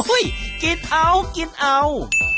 อุ้ยกินเอากินเอา